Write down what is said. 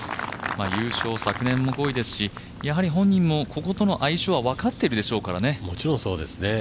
優勝、昨年も５位ですし本人もこことの相性は分かっていますからね。